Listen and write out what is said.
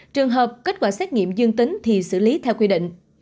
trường hợp kết quả xét nghiệm dương tính thì xử lý theo quy định